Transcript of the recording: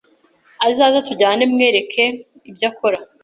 azaze tujyane mwerekere ibyo akora